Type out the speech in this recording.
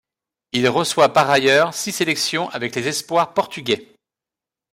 Il reçoit par ailleurs six sélections avec les espoirs portugais.